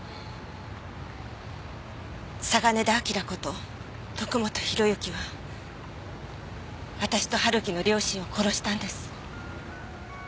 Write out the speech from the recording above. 嵯峨根田輝こと徳本弘之は私と春樹の両親を殺したんです。